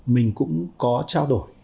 mình cũng có trao đổi